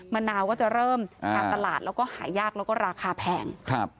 มะนาวก็จะเริ่มทางตลาดแล้วก็หายากแล้วก็ราคาแพง